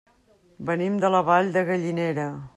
Venim de la Vall de Gallinera.